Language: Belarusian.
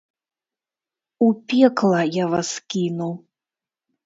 У пекла я вас кіну!